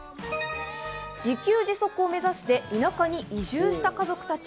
自給自足を目指して田舎に移住した家族たち。